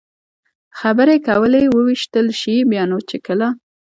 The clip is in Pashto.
خبرې کولې، ووېشتل شي، بیا نو چې کله.